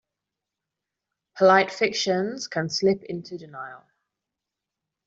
Polite fictions can slip into denial.